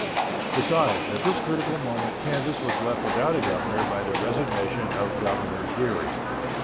Besides, at this critical moment Kansas was left without a governor by the resignation of Governor Geary.